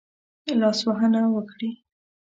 لاسوهنه وکړي.